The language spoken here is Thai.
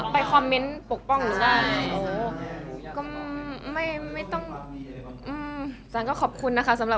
ไปคอมเม้นต์ปกป้องหรือเปล่า